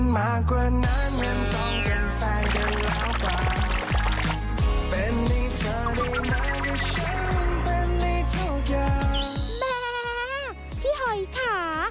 แหมพี่หอยค่ะ